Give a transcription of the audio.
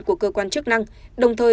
của cơ quan chức năng đồng thời